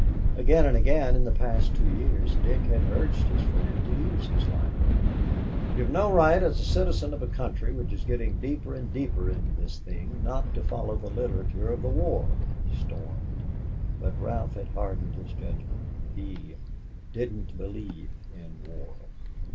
Again and again in the past two years, Dick had urged his friend to use his library. "You have no right as a citizen of a country which is getting deeper and deeper into this thing not to follow the literature of the war," he stormed, but Ralph had hardened his judgment he "didn't believe in war."